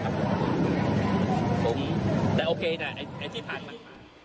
ผมแต่โอเคนะไอ้ที่ผ่านมา